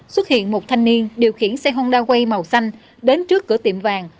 xuất hiện một thanh niên điều khiển xe honda way màu xanh đến trước cửa tiệm vàng